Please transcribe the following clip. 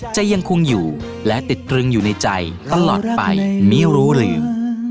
จะยังคงอยู่และติดตรึงอยู่ในใจตลอดไปไม่รู้ลืม